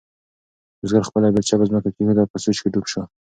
بزګر خپله بیلچه په ځمکه کېښوده او په سوچ کې ډوب شو.